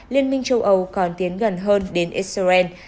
liên minh châu âu còn tiến gần hơn đến israel